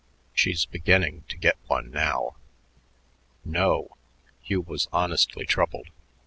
She's beginning to get one now." "No!" Hugh was honestly troubled.